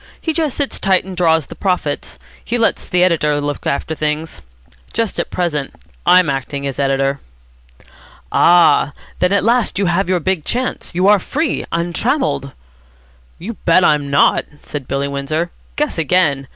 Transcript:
He just sits tight and draws the profits. He lets the editor look after things. Just at present I'm acting as editor." "Ah! then at last you have your big chance. You are free, untrammelled." "You bet I'm not," said Billy Windsor. "Guess again.